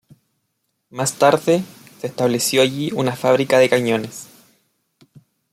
Más tarde, se estableció allí una fábrica de cañones.